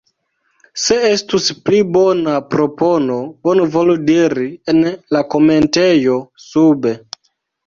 Se estus pli bona propono, bonvolu diri en la komentejo sube.